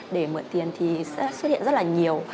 để mượn tiền thì sẽ xuất hiện rất là nhiều